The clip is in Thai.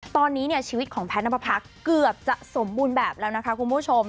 ตอนนี้เนี่ยชีวิตของแพทย์นับประพักษเกือบจะสมบูรณ์แบบแล้วนะคะคุณผู้ชม